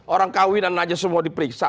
orang kawinan aja semua diperiksa